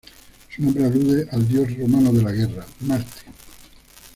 Su nombre alude al dios romano de la guerra: Marte.